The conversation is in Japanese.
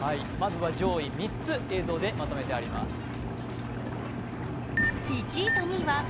まずは上位３つ、映像でまとめてあります。